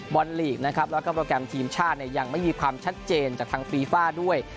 ลีกนะครับแล้วก็โปรแกรมทีมชาติเนี่ยยังไม่มีความชัดเจนจากทางฟีฟ่าด้วย